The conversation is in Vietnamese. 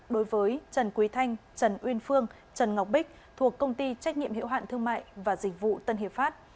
đối với trần quý thanh trần uyên phương trần ngọc bích thuộc công ty trách nhiệm hiệu hạn thương mại và dịch vụ tân hiệp pháp